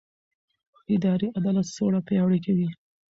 اداري عدالت سوله پیاوړې کوي